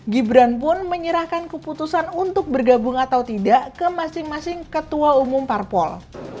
gibran pun menyerahkan keputusan untuk bergabung atau tidak ke masing masing ketua umum parpol